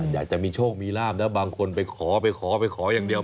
อยากจะมีโชคมีร่างแล้วบางคนไปขออย่างเดียว